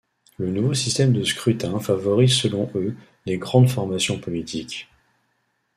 Le nouveau système de scrutin favorise selon eux les grandes formations politiques.